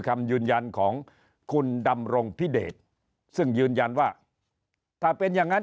คำยืนยันของคุณดำรงพิเดชซึ่งยืนยันว่าถ้าเป็นอย่างนั้น